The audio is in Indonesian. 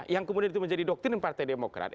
yang kemudian itu menjadi doktrin partai demokrat